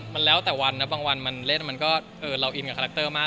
มันแล้วแต่วันนะบางวันมันเล่นมันก็เราอินกับคาแรคเตอร์มาก